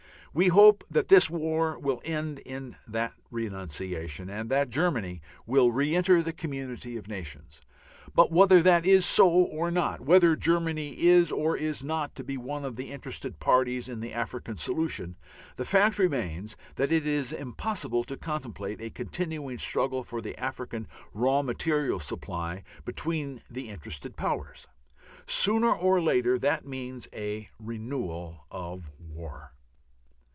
We hope that this war will end in that renunciation, and that Germany will re enter the community of nations. But whether that is so or not, whether Germany is or is not to be one of the interested parties in the African solution, the fact remains that it is impossible to contemplate a continuing struggle for the African raw material supply between the interested Powers. Sooner or later that means a renewal of war.